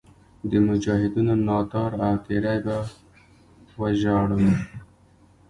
د مجاهدینو ناتار او تېری به وژاړو.